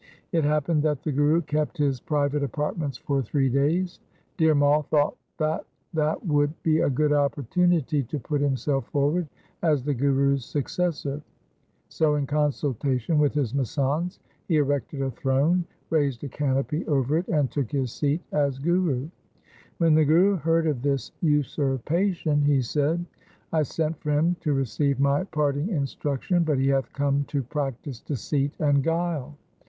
It hap pened that the Guru kept his private apartments LIFE OF GURU HAR GOBIND 233 for three days. Dhir Mai thought that that would be a good opportunity to put himself forward as the Guru's successor, so in consultation with his masands he erected a throne, raised a canopy over it, and took his seat as Guru. When the Guru heard of this usurpation, he said, ' I sent for him to receive my parting instruction, but he hath come to practise deceit and guile.